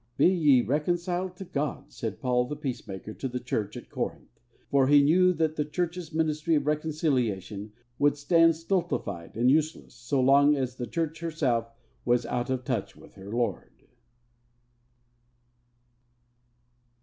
'Be ye reconciled to God,' said Paul the Peacemaker to the church at Corinth, for he knew that the Church's ministry of reconciliation would stand stultified and useless so long as the Church herself was out of touch with her Lord.